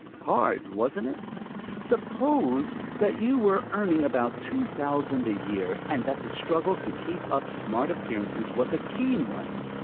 Hard, wasn't it? Suppose that you were earning about two thousand a year, and that the struggle to keep up smart appearances was a keen one.